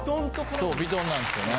そうヴィトンなんですよね。